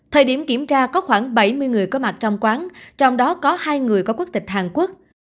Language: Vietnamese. thời điểm kiểm tra có khoảng bảy mươi người có mặt trong quán trong đó có hai người có quốc tịch hàn quốc